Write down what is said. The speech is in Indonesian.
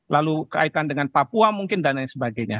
lalu kaitan dengan papua mungkin dan lain sebagainya